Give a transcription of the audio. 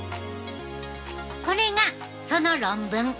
これがその論文。